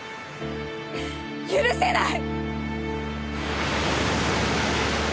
許せない！